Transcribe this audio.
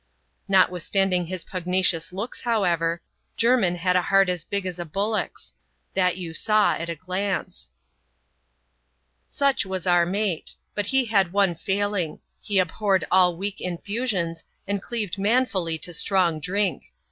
Notwithstanding his pugnacious looks, however, Jermin had a heart as big as a bullock's ; that you saw at a glance. Such was our mate ; but he had one failing : he abhorred all weak infusions, and cleaved manfully to strong drink.